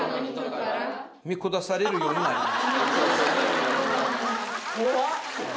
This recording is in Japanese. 見下されるようになります。